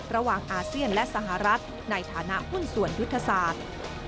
อาเซียนและสหรัฐในฐานะหุ้นส่วนยุทธศาสตร์